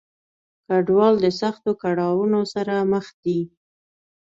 کډوال د سختو کړاونو سره مخ دي.